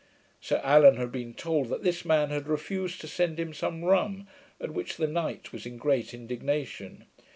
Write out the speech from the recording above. Sir Allan had been told that this man had refused to send him some rum, at which the knight was in great indignation.